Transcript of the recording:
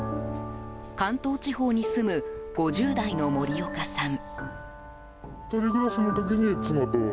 関東地方に住む５０代の森岡さん。